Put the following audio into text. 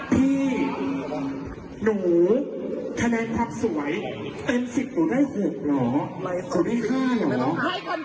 ที่หนูแขาแนความสวยเต็มศิษย์หนูได้หกเหรอหนูได้ห้ายเหรอ